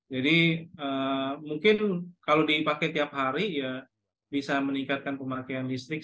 jadi mungkin kalau dipakai tiap hari ya bisa meningkatkan pemakaian listrik